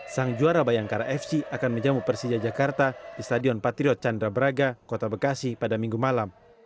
sang juara bayangkara fc akan menjamu persija jakarta di stadion patriot candra braga kota bekasi pada minggu malam